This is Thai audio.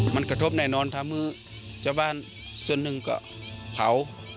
มันกระทบแน่นอนทำมือชาวบ้านส่วนหนึ่งก็เผา